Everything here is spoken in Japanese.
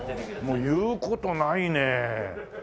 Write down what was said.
もう言う事ないね。